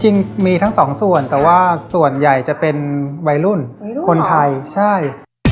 จริงมีทั้งสองส่วนแต่ว่าส่วนใหญ่จะเป็นวัยรุ่นคนไทยใช่